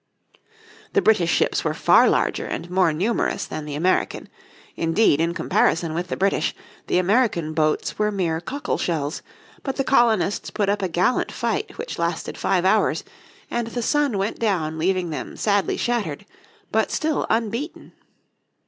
The British ships were far larger and more numerous than the American, indeed in comparison with the British the American boats were mere cockle shells, but the colonists put up a gallant fight which lasted five hours, and the sun went down leaving them sadly shattered but still unbeaten.